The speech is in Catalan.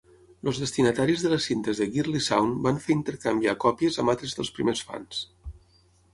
Els destinataris de les cintes de Girly-Sound van fer intercanviar còpies amb altres dels primers fans.